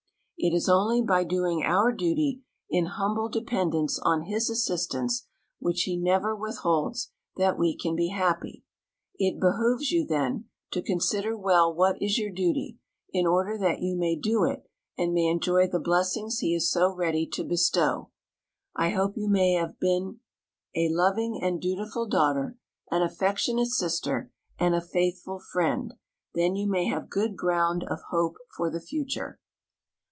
It is only by doing our duty in humble dependence on His assistance, which He never withholds, that we can be happy. It behooves you, then, to consider well what is your duty, in order that you may do it and may enjoy the blessings He is so ready to bestow. I hope you may have been a loving and dutiful daughter, an affectionate sister, and a faithful friend; then you may have good ground of hope for the future.